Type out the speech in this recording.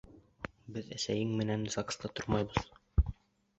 Беҙ әсәйең менән ЗАГС-та тормайбыҙ!